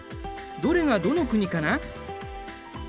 どれがどの国かな？